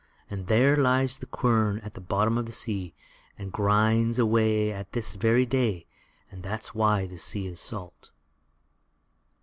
There lies the quern at the bottom of the sea, and grinds away at this very day, and that's why the sea is salt.